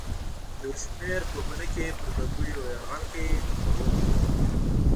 یو شمېر پوپنکي پر لرګیو یرغل کوي د خوړو په توګه.